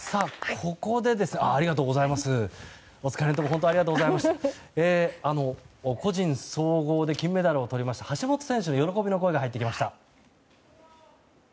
ここで個人総合で金メダルをとりました橋本選手の喜びの声が入ってきました。